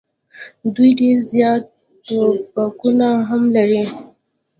دوی ډېر زیات توپکونه هم لري.